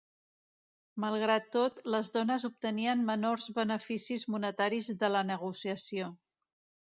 Malgrat tot, les dones obtenien menors beneficis monetaris de la negociació.